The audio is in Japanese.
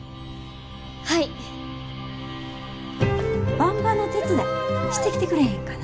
ばんばの手伝いしてきてくれへんかな？